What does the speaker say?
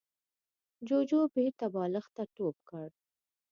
جوجو بېرته بالښت ته ټوپ کړ.